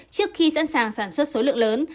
trước khi sẵn sàng sản xuất số lượng lớn